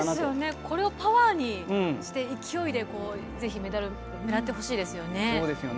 これをパワーにして勢いでぜひメダル狙ってほしいですよね。